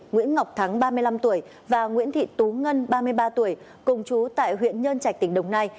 nguyễn ngọc thắng ba mươi năm tuổi và nguyễn thị tú ngân ba mươi ba tuổi cùng chú tại huyện nhơn trạch tỉnh đồng nai